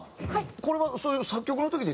これはそういう作曲の時って。